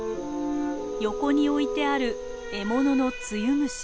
横に置いてある獲物のツユムシ。